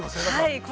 ◆はい。